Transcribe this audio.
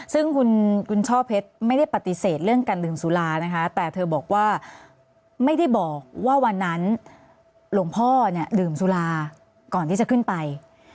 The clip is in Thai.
ซึ่งคุณช่อเพชรไม่ได้ปฏิเสธเรื่องการดื่มสุรานะคะแต่เธอบอกว่าไม่ได้บอกว่าวันนั้นหลวงพ่อเนี่ยดื่มสุราก่อนที่จะขึ้นไป